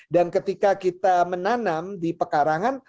dan ketika kita menanam di pekarangan